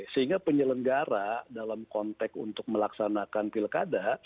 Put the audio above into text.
sehingga penyelenggara dalam konteks untuk melaksanakan pilkada